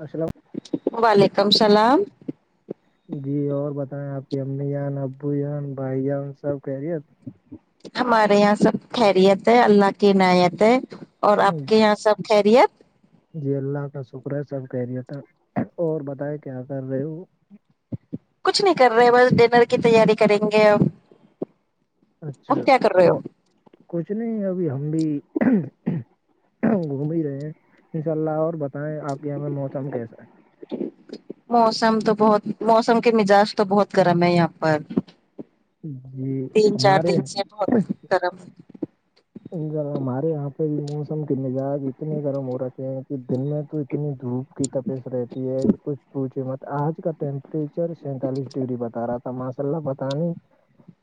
السلام وعلیکم السلام جی اور بتائیں آپ کی امی جان ابو جان بھائی جان سب کہہ رہی ہے ہمارے یہاں سب خیریت ہے اللہ کی عناایت ہے اور آپ کے یہاں سب خیریت جی اللہ کا شکر ہے سب کہہریے تھا اور بتائے کیا کر رہے ہو کچھ نہیں کر رہے بس ڈنر کی تیاری کریں گے اب اب اچھا کیا کر رہے ہو اور کچھ نہیں ابھی ہم بھی گھوم ہی رہے ہیں ان شاء اللہ اور بتائیں آپ کے یہیں موسم کیسا ہے موسم تو بہت موسم کے مزاج تو بہت گرم ہے یہاں پر ہے جی تین چار ہمارے دن سے بہت گرم ر ہمارے یہاں پہ بھی موسم کے مزاج اتنے گرم ہو رکھے ہیں کہ دن میں تو اتنی دھوپ کی تپیس رہتی ہے کچھ پونچی مت آج کا ٹیمپریچر سینتالیس ڈگری بتا رہا تھا ماشاء اللہ بت نہیںے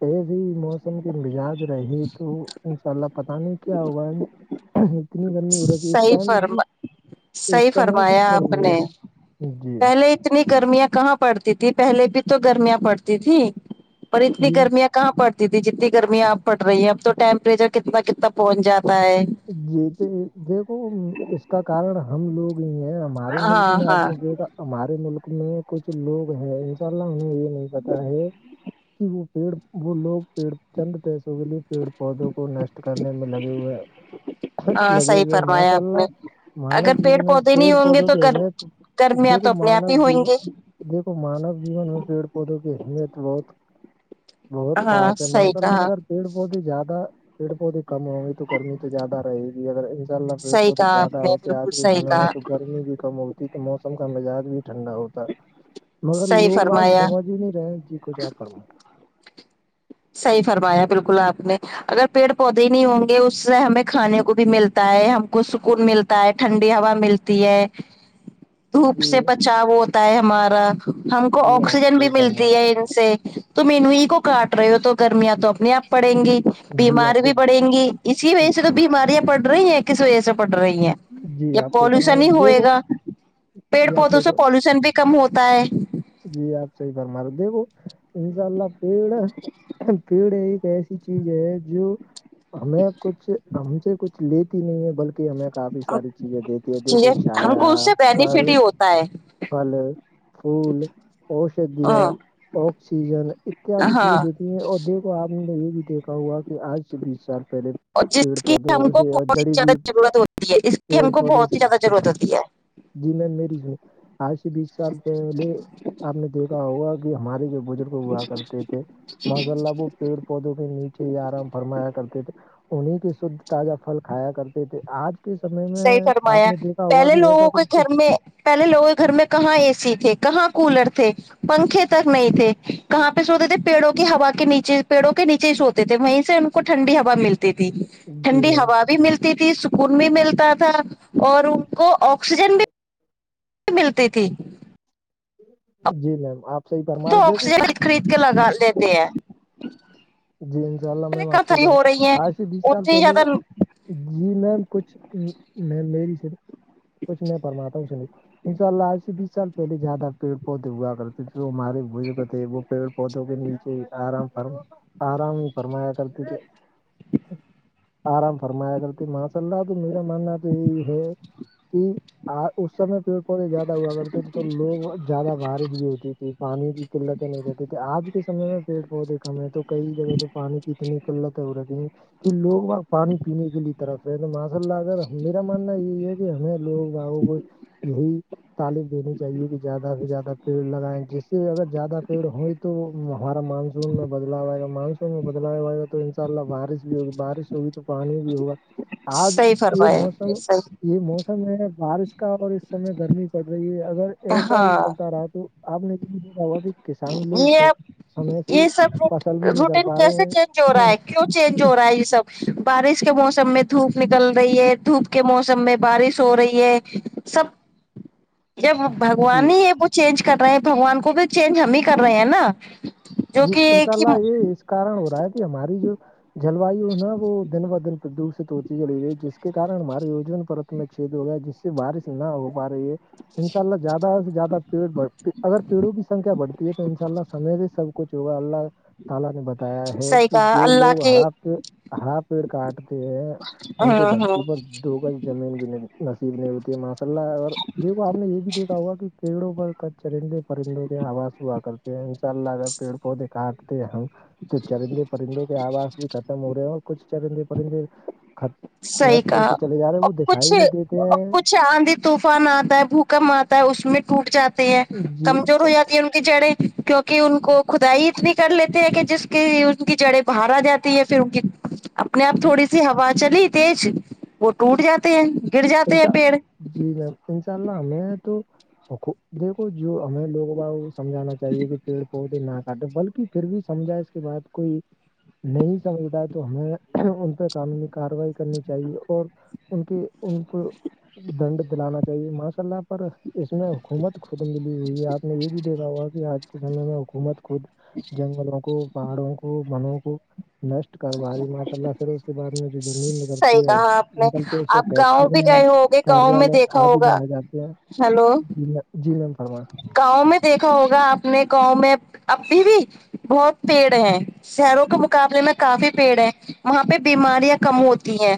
تز ہی موسم کے مزاج رہے تو ان شاء اللہ پت نہیں کیا ہوگا اتنی گرمی ہو رہی تھی اس صحیح ٹائم بھی فرما اس صحیح سمے بھی فرمایا گر آپ ہے نے جی پہلے اتنی گرمیاں کہاں پڑتی تھھی پہلے بھی تو گرمیاں پڑتی تھھی پر اتنی جی گرمیاں کہاں پڑتی تھی جتنی گرمی آپ پڑ رہی ہے اب تو ٹیمپریچر کتنا کتنا پہنچ جاتا ہے جی تو دیکھو اس کا کارن ہم لوگ ہے ہمارے ملک ہاں میں آپ ہاں نے دیکھا ہمارے ملک میں کچھ لوگ ہیں ان شاء اللہ انہیں یہ نہیں پتا ہے کہ وہ پیڑ وہ لوگ پیڑ چند پیسوں کے لیے پیڑ پودوں کو نشٹ کرنے میں لگے ہوئے ہیں ہاں لگے صحیح ہوئے فرمایا ماشاء آپ نے اللہ مانو اگر پیڑ جیون میں پودے نہیں پیڑ ہوں گے پودوں تو کی گر اہمیت گرمیاں تو دیکھو اپنے آپ ہی مانو جی ہوئیں گے دیکھو مانو جیون میں پیڑ پودوں کی اہمیت بہت بہت ہاں خاص ہے صحیح ماشاء اللہ کہا اگر پیڑ پودے زیادہ پیڑ پودے کم ہوں گے تو گرمی زیادہ رہے گی اگر ان شاء اللہ پیڑ صحیح بہت کہا زیادہ آپ نے ہوتے بالکل آج کے سے صحیح میں کہا تو گھر گرمی بھی کم ہوتی تو موسم کا مزاج بھی ٹھنڈا ہوتا مگر صحیح لوگ باگ فرمایا سمجھ ہی نہیں رہے جی کچھ آ پر صحیح فرمایا بالکل آپ نے اگر پیڑ پودے نہیں ہوں گے اس سے ہمیں کھانے کو بھی ملتا ہے ہم کو سکون ملتا ہے ٹھنڈی ہوا ملتی تی ہے [unintelligible] [inaudible] دھوپ سے بچاؤ ہوتا ہے ہمارا ہم کو جی آپ آکسیجن بھی صحیح ملتی فرمایا ہے سے تو مینو ای کو کاٹ رہے ہو تو گرمیاں تو اپنے آپ پڑیں گی جی آپ بیماری سے بھی پڑیں گی اسی وجہ سے تو بیماریاں پڑ رہی ہیں کس وجہ سے پڑ رہی ہیں جی یا آپ صحیح فرما رہے پالوشن ہو۔ ہی ہوئے دیکھو گا پیڑ جی آپ پودوں صحیح سے فر- پالوشن بھی کم ہوتا ہے جی آپ صحیح پر مر د وہ انشاء اللہ پیڑ پیڑ ایک ایسی چیز ہے جو ہمیں کچھ ہم سے کچھ لیتی نہیں ہے بلکہ کہ ہمیں کافی ساری چیزیں دیتی ہے چیزیں دیکھو ہم چھایا کو اس سے بینیفٹ پھل ہی ہوتا ہے پل پھول اوشدیا ہ آکسیجن اتیاد چیزیں ہاں دیتی ہیں اور دی تو آپ میں نے یہ بھی دیکھا ہوا کہ آج سے بیس سال پہلے اور پیڑ جس کی ہم پودوں کو سے اور بہت ہی جڑی زیادہ بوٹی ضرورت ہوتی ہے اس کی پیڑ ہم کو پودوں بہت سے ہی زیادہ ضرورت ہوتی ہے جی میم میری سے آج سے بیس سال پہلے آپ نے دیکھا ہوگا کہ ہمارے جو بزرگ ہوا کرتے تھے محض اللہ پیڑ پودوں کے نیچے ہی آرام فرمایا کرتے تھے انہیں کے شدھ تازہ فھل کھایا کرتے تھے آج کے سمے میں صحیح آپ فرمایا نے دیکھا ہوا پہلے بھی لوگوں ایسا کے کچھ گھر میں پہلے لوگوں کے گھر میں کہاں اے سی تھے کہاں کولر تھے پنکھے تک نہیں تھے کہاں پہ سوتے تھے پیڑوں کی ہوا کے نیچے پیڑوں کے نیچے ہی سوتے تھے وہیں سے ہم کو ٹھنڈی ہوا ملتی تھی جی ٹھنڈی میم ہوا بھی ملتی تھی سکون بھی ملتا تھا اور ان کو آکسیجن بھی ملتی تھی جی میم آپ صحیح فرما تو رہے دیکھو آکسیجن خرید کے لگا لیتے ہیں جی انشاء اللہ میں پہلے واپ سے ہی کتھائی کر ہو رہی ہیں آج سے بیس سال اتنی پہلے زیادہ جی میم کچھ میں میری سے کچھ میں فرماتا ہوں سنی ان شاء اللہ ایج سے بیس سال پہلے زیادہ پیڑ پودے ہوا کرتے پھر وہارے وہ جو کہتے وہ پیڑ پودوں کے نیچے آرام فرم آرام ہی فرمایا کرتی تھ آرام فرمایا کرتی مس س تو میرا ماننا تو یہی ہے کہ اس سم پ پے زیادہ ہوا کرتے تو لوگ زیادہ بارش بھی ہوتی تھی پانی کی قلتیں نہیں رہتی تھی آج کے سمے میں پیڑ پودے کم ہے تو کئی جگہ تو پانی کی اتنی قلتیں ہو رہی ہیں کہ لوگ پانی پینے کے لیے طرف ماسا ال لا ما ماننا یہی ہے کہ ہمیں لوگ گاوں کو یہی تعالم دینی چاہیے کہ زیادہ سے زیادہ پیڑ لگائیں جس سے اگر زیادہ پیڑ ہوئے تو تو ہمارا مانسون میں بدلاؤ آئے گا مانسون میں بدلاؤ آئے گا تو ان شاء اللہ بارش بھی ہوگی بارش ہوگی تو پانی بھی ہوگا آج صحیح یہ موسم فرمایا صحیح یہ موسم ہے بارش کا اور اس سمے گرمی پڑ رہی ہے اگر ایسا ہی ہاں چلتا رہا تو آپ نے یہ بھی دیکھا ہوا کہ کسان لوگ یہ سب اب سمے سے یہ سب فصل بھی نہیں کر روٹین پا کیسے رہے چینج ہو ہیں رہا ہے کیوں چینج ہو رہا ہے یہ سب بارش کے موسم میں دھوپ نکل رہی ہے دھوپ کے موسم میں بارش ہو رہی ہے سب جب جی بگوان ہی ہے وہ چینج کر رہے ہیں بگوان کو بھی چینج ہم ہی کر رہے ہیں نا جو جی کہ انشاء ایک ہی اللہ یہ کارن ہو رہا ہے کہ ہماری جو جلوایو نا وہ دن ب دن پردوشت ہوتی چڑ گئی جس کے کن ہمارے اجون پرت میں چد ہو گیا جس سے بارش نہ ہو پا رہی ہے ا انشاء اللہ زیادہ سے زیادہ ایڈنا بتایا ہے صحیح کہ کہا جو اللہ لوگ کے ہرا ہرا پیڑ کاٹتے ہیں ان ہاں کو ہاں دھرتی پر دو گز زمین بھی نصیب نہیں ہوتی ہے ماشاء اللہ ا دیک آپ نے یہ بھی دیکا ہوا کہ پیڑوں پر کچ چرندے پرندوں کے آواز ہوا کرتے ہیں ان شاء اللہ اگر پیڑ پودے کاٹتے ہیں ہم تو چرندے پرندوں کے آواز بھی ختم ہو رہے ہیں اور کچھ چرندی پڑند صحی کا ا کچھ نہیں دیتے ہیں کچھ آندھی طوفان آتا ہے بھوکم آتا ہے اس میں ٹوٹ جاتے ہیں جی کمزور ہو جاتے ان کی جڑیں کیونکہ ان کو کدائی اتنی کر لیتے ہیں کہ جس کی ان کی جڑیں باہر آ جاتی پھر ان کی اپنے آپ جی تھوڑی سی ہوا چلی تیز وہ جی ٹوٹ جاتے ہیں گر جاتے ہیں انشاء پیڑ جی میم انشاء اللہ ہمیں تو دیکھو جو ہمیں لوگوں سجھانا چاہیے کہ پیڑ پودے نہ بلکہ پھر بھی سمجھا اس کے بعد کوئی نہیں سمجھتا تو ہمیں ان پ قانونی کاروائی کرنی چاہیے اور ان کے [unintelligible] ان کو دنڈ دلانا چاہیے ماشاء اللہ پر اس میں حکومت خودم ملی ہوئی ہے آپ نے یہ بھی دیکھا ہوا کہ آج کے سمے میں حکومت خود جنگلوں کو [unintelligible] پہاڑوں کو بانووں کو نشٹ کرواری ماشاء اللہ پھر اس کے بعد میں جو زمین صحیح نکلتی ہے کہا آپ نے نکلتے اس کا آپ گاؤں بھی گئے ہوگے گاؤں کاریال میں دیکھا آدی ہوگا بنائے جاتے ہیں ہیلو جی جی میم فرمائیں گاؤں میں دیکھا ہوگا اپپنے گاؤں میں ابھی بھی بہت پیڑ ہیں شہروں کے مقابلے میں کافی پیڑ ہے وہاں پہ بیماریاں کم ہوتی ہیں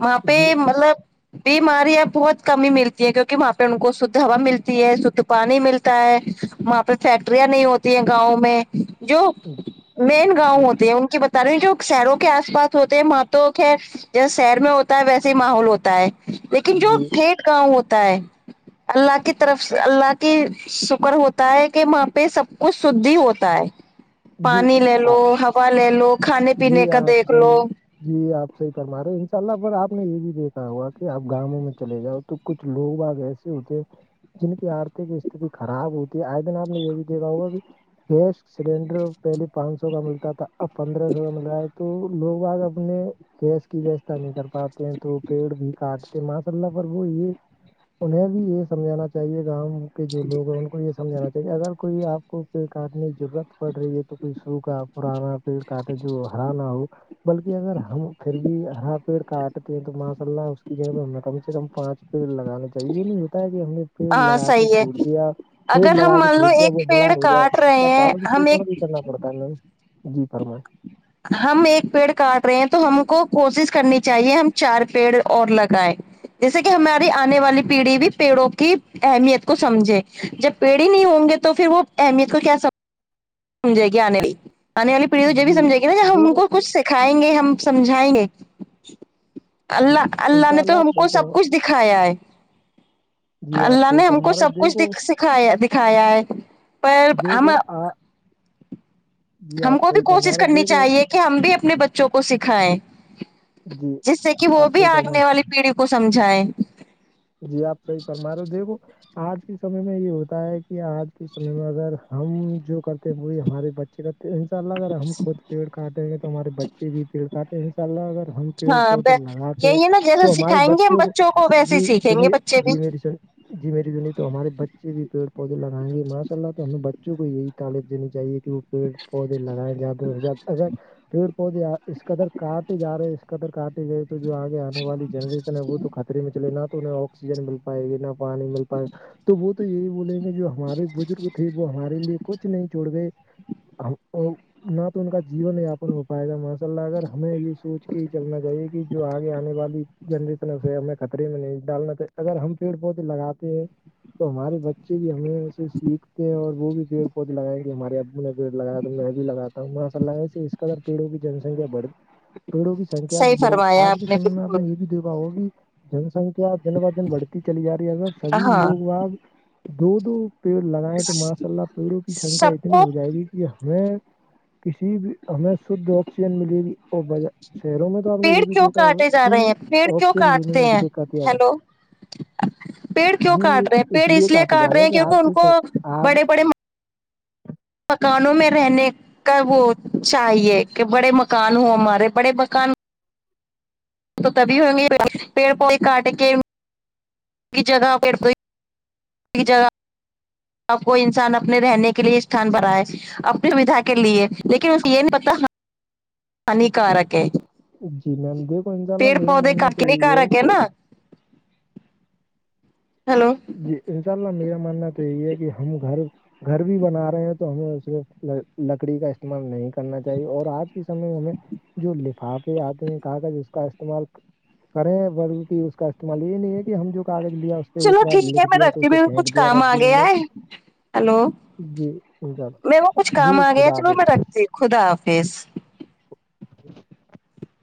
وہاں پہ جی مطلب بیماریاں بہت کمی ملتی ہیں کیونکہ وہاں پہ ان کو شھ ہوا ملتی ہے شھ پانی ملتا ہے وہاں پہ فیکٹریاں نہیں ہوتی ہیں گاؤں میں جو مین گاؤں جی ہوتے ہیں ان کی ب تے جو شہروں کے آس پاس ہوتے ہیں وہاں تو خیر جیسے شہر میں ہوتا ہے ویسے ہی ماحول ہوتا ہے لیکن جو جی پھیٹ گاؤں ہوتا ہے اللہ کی طرف سے اللہ کہ شکر ہوتا ہے کہ وہاں پہ سب کچھ شھھی ہوتا ہے [unintelligible] جی پانی لے لو ہوا لے لو کھانے پینے جی کا آپ دیکھ لو صحیح جی آپ صحیح فما رہے ہو انشاء اللہ پر آپ نے یہ بھی دیکھا ہوا کہ آپ گاؤوں میں چے جاؤ تو [unintelligible] کچھ لوگ بگ ایسے ہوتے [unintelligible] جن کی آرتک استتی خراب ہوتی ہے آئے دن آپ نے یہ بھی دیکھا ہوگا کہ گیس سلڈر پہلے پانچ سو کا ملتا تھا ا پندرہ سو کا مل رہا ہے تو لوگ آگ اپنے گس کی ویوستھا نہیں کر پاتے ہیں تو پیڑ بھی کاٹ کہ ما ص اللہ پر وہ یہ انہیں بھی یہ سمجھانا چاہیے گاؤں [unintelligible] کے جو لوگ ہیں ان کو یہ سمجھا چاہیے اگر کوئی آپ کو پ کاٹنے کی ضرورت [unintelligible] پڑ رہی ہے تو کوئی سوکھ پرانا پیڑ کاٹے جو ہرا نہ ہو بلکہ اگر ہم پھر بھی ہرا پیڑ کاٹتے ہیں تو ماشا اللہ اس کی جگہ پ ہمیں کم سے کم پانچ پیڑ لگانے ا یہ نہیں ہوتا ہے کہ ہم نے تیل ہاں لگا کے صحیح ہے چھوڑ دیا [unintelligible] پیڑ اگر لگا ہم کے مان لو چھوڑ دیا وہ ایک پیڑ مرال ہو جائے کاٹ اس رہے کا ہیں پال ہم ایک [unintelligible] کرنا پڑتا ہے جی فرمائ ہم ایک پیڑ کاٹ رہے ہیں تو ہم کو کوشش کرنی چاہیے ہم چار پیڑ اور لگائے جیسے کہ ہماری آنے والی پیڑھی بھی پیڑوں کی اہمیت کو سمجھے جب پیڑی نہیں ہوں گے تو پھر وہ اہمیت کو کیا سب سجائے گی آنے وال آنے والی پڑھی جو بھی جی سمھائے گی نا ج ان دیکھو کو کچھ [unintelligible] کھائیں گے ہم سمجھائیں گے جی اللہ ان اللہ شاء نے تو ہم آپ صحیح کو سب فرما کچھ دکھایا ہے جی آپ اللہ صحیح نے ہم کو فرما رہے سب ہو۔ کچھ دیکھو سکھا دکھایا ہے پر ہم دیکھو آ ہم کو بھی فرما کوشش رہے ہو، کرنی دیکھو چاہیے کہ ہم بھی اپنے بچوں کو سکھائیں جی جس سے کہ وہ آپ بھی صحیح فرما آگنے والی پیڑھی کو سمجھائے جی آپ صحیح فرما رہو دیکھو آج کے سمے میں یہ ہوتا ہے کہ آج کے سمے میں اگر ہم جو کرتے ہوئی ہمارے بچے کا تو ان شاء اللہ اگر ہم خود پیڑ کاٹیں گے تو ہمارے بچے بھی پیڑ کاٹ ان شاء اللہ اگر ہم پیڑ ہاں پودے لگاتے ہیں یہی ہے نا جیسا تو ہمارے سکھائیں گے ہم بچوں کو ویسے ہی جی سیکھیں گے سنیے بچے بھی جی میری [unintelligible] جی میری جونی تو ہمارے بچے بھی پیڑ پودے لگائیں گے ماشاء اللہ تو ہمیں بچوں کو یہی تعریف دینی چاہیے کہ وہ پیڑ [unintelligible] پودے لگائے جاتے ہیں اگر پیڑ پودے اسدر کاٹے جا رہے اس کادر کاٹ [unintelligible] گئے تو جو آگے آنے والی جنریشن ہے وہ تو خطرے میں چلے نہ تو انیں آف [unintelligible] کن مل پائے گی نہ پانی مل پائے گا تو وہ تو یہی بولیں گے جو ہمارے بزرگ تھے وہ ہمارے [unintelligible] لیے کچھ نہیں چڑ گئے نہ تو ان کا جیون یاپن ہو پائے گا ماشاء اللہ اگر ہمیں یہ سوچ کے ہی چلنا چاہیے کہ جو آگے آنے والی جنریشن اس ہمیں خطرے میں نہیں ڈالنا چ اگر ہم پیڑ پودے لگاتے ہیں تو ہمارے بچے بھی ہمیں سے سیکھتے ہیں اور وہ بھی پیڑ پود لگائیں گے ہمارے ا نے پیڑ لگیا تو میں بھی لگا ہوں ماشء اللہ اس کادر پیڑوں کی جنسنکھیا بڑھ پیڑوں کی سنکھیا صحیح بھی بڑے گئی فرمایا آج کے سمے میں آپ بالکل نے یہ بھی دیکھا وہ بھی جنسن دن ب دن بڑھتی چلی جا رہی ہے ا س سبھی ہاں لوگ آ دو دو پیڑ لگائےیں تو ماشاء اللہ پیڑوں کی سکھیا سب اتنی کو ہو جائے گی [unintelligible] یہ ہمیں کسی بھی ہمیں شھ آکسیجن ملے گی [unintelligible] اور ب شہروں میں تو آپ نے پیڑ یہ بھی کیوں دیکھا ہوگا کاٹے جا کہ رہے ہیں پیڑ کیوں آکسیجن لینے میں کاٹتے بھی ہیں دیکھا ت آب ہیلو پیڑ کیوں کاٹ رہے ہیں پیڑ اس لیے کاٹے کاٹ جا رہے ہیں کہ کیونکہ آج ان کے کو سب آج بڑے بڑے مکانوں میں رہنے کا وہ چاہیے کہ بڑے مکان ہو ہمارے بڑے مکان تو تبھی ہوئیں گے پیڑ پے کاٹے کے کی جگہ پڑ پ ایک جگہ [unintelligible] اب کوئی انسان اپنے رہنے کے لیے استھان بنائے اپنی سھا کے لیے لیکن اس یہ نہیں پتا ہانیکارک ہے جی میم دیکھو ان اللہ پیڑ میرا پودے ماننا کر تو کے نہیں یہی گھر ہے آ گ نا ہلو جی انشاء اللہ میرا ماننا تو یہی ہے کہ ہم گھر گھر بھی بنا رہے ہیں تو ہمیں اسے لکڑی کا استعمال نہیں کرنا چاہیے اور آج کے سمے میں ہمیں جو لفافے آتے ہیں کاغذ اس کا استعمال کریں ورگ کی اس کا استعمال یہ نہیں ہے کہ ہم جو کاغذ لیا اس پہ ایک چلو بار ٹھیک ہے لکھ میں دیا تو رستے اسے میں کچھ پھینک دیا کام آ رد نے گیا ہے ہلو جی انشاء اللہ میر وہ کچھ کام جی آ گیا خدا چلو حافظ میں رکھتی خدا حافظ [inaudible]